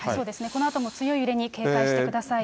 このあとも強い揺れに警戒してください。